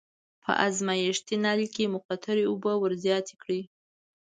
په ازمایښتي نل کې مقطرې اوبه ور زیاتې کړئ.